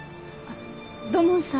土門さん